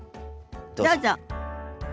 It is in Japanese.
どうぞ。